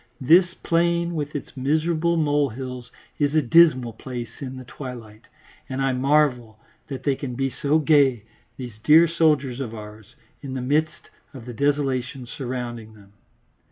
This plain with its miserable molehills is a dismal place in the twilight, and I marvel that they can be so gay, these dear soldiers of ours, in the midst of the desolation surrounding them.